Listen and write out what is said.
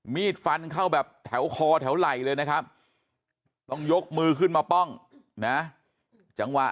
มีดฟันเข้าแบบแถวคอแถวไหล่เลยนะครับต้องยกมือขึ้นมาป้องนะจังหวะ